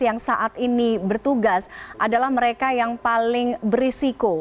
yang saat ini bertugas adalah mereka yang paling berisiko